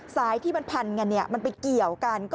สายที่มันพันกันมันไปเกี่ยวกัน